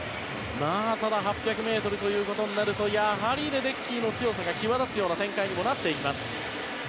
ただ８００ｍということになるとやはりレデッキーの強さが際立つような展開にもなっていきます。